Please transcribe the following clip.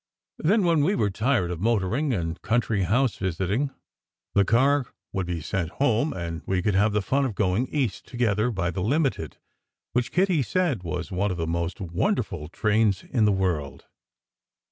Then, when we were tired of motoring and country house visiting, the car would be sent home, and we could have the fun of going East to gether by the "Limited," which, Kitty said, was one of the most wonderful trains in the world.